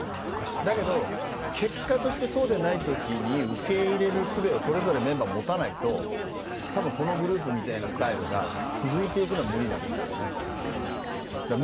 だけど結果としてそうでない時に受け入れるすべをそれぞれメンバー持たないと多分このグループみたいなスタイルが続いていくのは無理なんですよね。